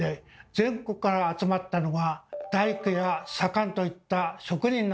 全国から集まったのが大工や左官といった職人なんです。